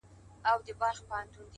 اخلاق د شخصیت ریښتینی غږ دی’